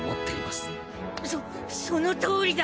そそのとおりだ！